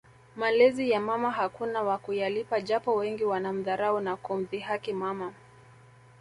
Malezi ya mama hakuna wa kuyalipa japo wengi wanamdharau na kumdhihaki mama